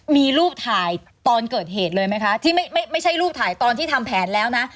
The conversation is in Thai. มีรูปถ่ายตอนเกิดเหตุเลยไหมคะที่ไม่ใช่รูปถ่ายตอนที่ทำแผนแล้วนะ